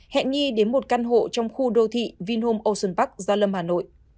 hẹn nghi đến một căn hộ trong khu đô thị vinhome ocean park gia lâm hà nội